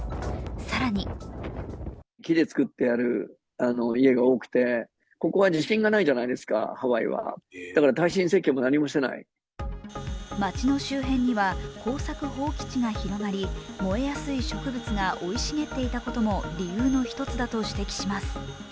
更に街の周辺には耕作放棄地が広がり燃えやすい植物が生い茂っていたことも理由の一つだと指摘します。